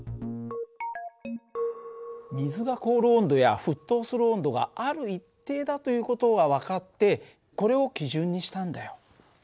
水が凍る温度や沸騰する温度がある一定だという事が分かってこれを基準にしたんだよ。